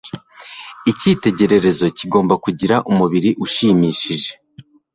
Icyitegererezo kigomba kugira umubiri ushimishije.